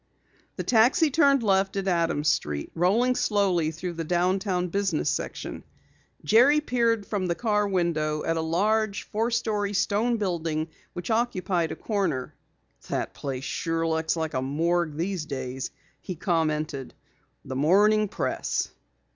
The taxi turned left at Adams street, rolling slowly through the downtown business section. Jerry peered from the car window at a large, four story stone building which occupied a corner. "That place sure looks like a morgue these days," he commented. "_The Morning Press.